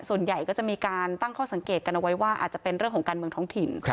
ส่วนใหญ่ก็จะมีการตั้งข้อสังเกตกันเอาไว้ว่าอาจจะเป็นเรื่องของการเมืองท้องถิ่น